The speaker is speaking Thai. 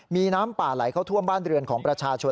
มีน้ำป่าไหลเข้าท่วมบ้านเรือนของประชาชน